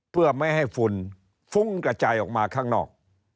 เพื่อไม่ให้ฝุ่นฟุ้งกระจายออกมาข้างนอก